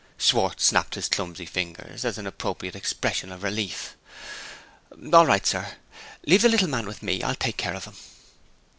Schwartz snapped his clumsy fingers, as an appropriate expression of relief. "All right, sir! Leave the little man with me I'll take care of him."